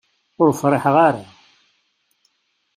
Ur friḥeɣ ara.